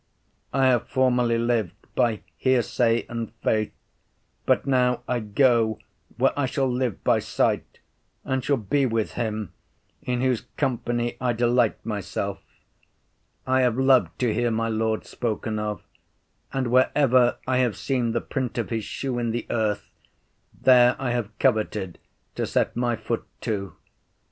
I have formerly lived by hearsay and faith, but now I go where I shall live by sight, and shall be with him in whose company I delight myself. I have loved to hear my Lord spoken of, and wherever I have seen the print of his shoe in the earth, there I have coveted to set my foot too.